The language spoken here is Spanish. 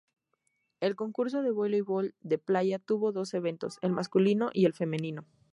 El concurso de voleibol de playa tuvo dos eventos: el masculino y el femenino.